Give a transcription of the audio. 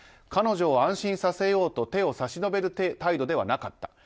彼女を安心させようと手を差し伸べる態度ではなかった。